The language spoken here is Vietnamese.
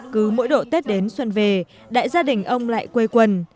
cứ mỗi độ tết đến xuân về đại gia đình ông lại quê quần